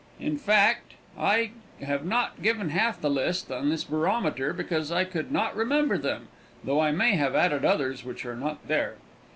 In fact, I have not given half the list on this barometer because I could not remember them, though I may have added others which are not there.